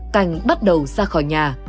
cảnh bắt đầu ra khỏi nhà